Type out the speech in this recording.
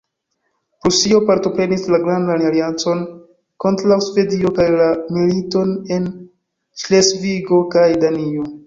Prusio partoprenis la grandan aliancon kontraŭ Svedio kaj la militon en Ŝlesvigo kaj Danio.